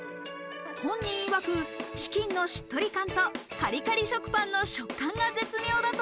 本人いわくチキンのしっとり感とカリカリ食パンの食感が絶妙だと